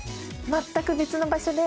全く別の場所で。